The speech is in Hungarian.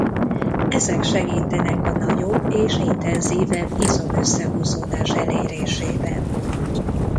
Ezek segítenek a nagyobb és intenzívebb izom összehúzódás elérésében.